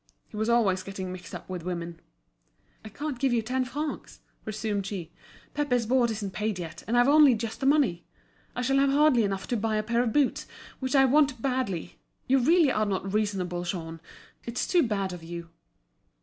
He was always getting mixed up with women. "I can't give you ten francs," resumed she. "Pépé's board isn't paid yet, and I've only just the money. I shall have hardly enough to buy a pair of boots, which I want badly. You really are not reasonable, Jean. It's too bad of you."